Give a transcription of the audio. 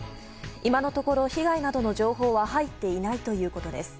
今のところ被害などの情報は入っていないということです。